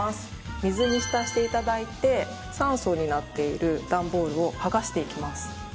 水に浸していただいて３層になっている段ボールを剥がしていきます。